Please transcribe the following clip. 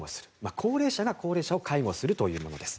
高齢者が高齢者を介護するといったものです。